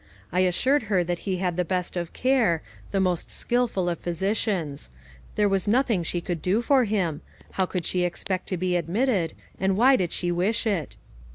I assured her that he had the best of care, the most skilful of physicians; there was nothing she could do for him, how could she expect to be admitted, and why did she wish it